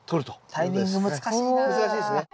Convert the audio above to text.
タイミング難しいな。